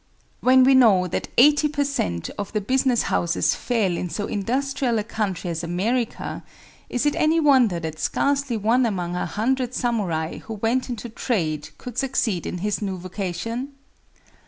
When we know that eighty per cent. of the business houses fail in so industrial a country as America, is it any wonder that scarcely one among a hundred samurai who went into trade could succeed in his new vocation?